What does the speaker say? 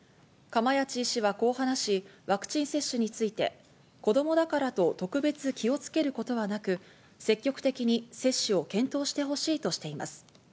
釜萢医師はこう話し、ワクチン接種について、子どもだからと特別気をつけることはなく、積極的に接種を検討してほしいとしています。